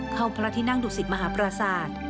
พระที่นั่งดุสิตมหาปราศาสตร์